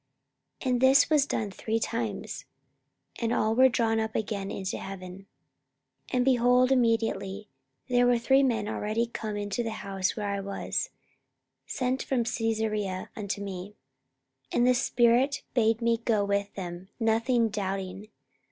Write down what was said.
44:011:010 And this was done three times: and all were drawn up again into heaven. 44:011:011 And, behold, immediately there were three men already come unto the house where I was, sent from Caesarea unto me. 44:011:012 And the Spirit bade me go with them, nothing doubting.